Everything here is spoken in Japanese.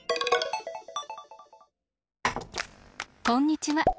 こんにちは！